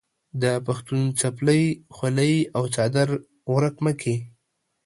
د پښتون څپلۍ، خولۍ او څادر ورک مه کې.